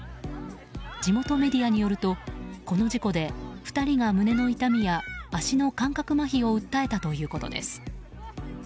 地元メディアによるとこの事故で２人が胸の痛みや足の感覚まひを訴えたということです。